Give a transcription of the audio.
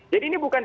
jadi ini bukan